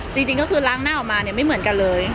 จริงก็คือล้างหน้าออกมาเนี่ยไม่เหมือนกันเลย